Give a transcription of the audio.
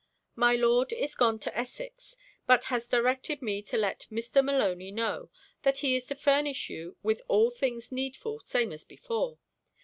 My Lord is gone to Essex; but has directed me to let Mr. Maloney know, that he is to furnish you with all things needful same as before.